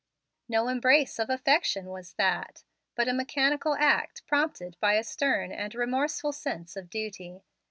No embrace of affection was that, but a mechanical act prompted by a stern and remorseful sense of duty.